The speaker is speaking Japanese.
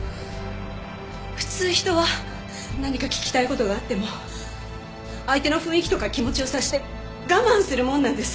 普通人は何か聞きたい事があっても相手の雰囲気とか気持ちを察して我慢するものなんです。